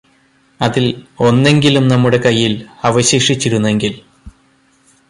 അതിൽ ഒന്നെങ്കിലും നമ്മുടെ കയ്യില് അവശേഷിച്ചിരുന്നെങ്കിൽ